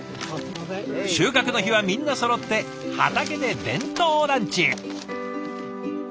収穫の日はみんなそろって畑で弁当ランチ。